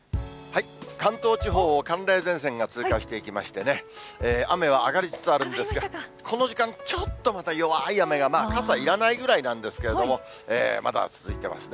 関東地方を寒冷前線が通過していきまして、雨は上がりつつあるんですが、この時間、ちょっとまた弱い雨が、傘いらないぐらいなんですけれども、まだ続いてますね。